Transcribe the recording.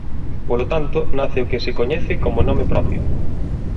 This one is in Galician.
Polo tanto nace o que se coñece como nome propio.